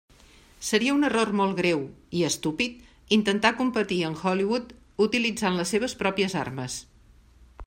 Seria un error molt greu, i estúpid, intentar competir amb Hollywood utilitzant les seves pròpies armes.